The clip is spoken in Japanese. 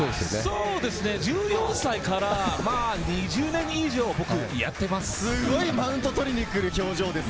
そうですね、１４歳から２０年以上、僕、やってます。